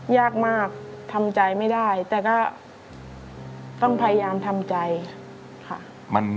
ยากมากทำใจไม่ได้แต่ก็ต้องพยายามทำใจค่ะ